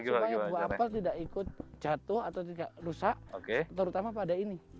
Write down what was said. supaya buah apel tidak ikut jatuh atau tidak rusak terutama pada ini